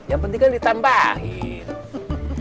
yang penting kan ditambahin